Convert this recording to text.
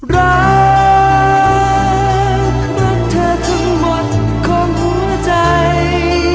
รักรักเธอทั้งหมดของหัวใจ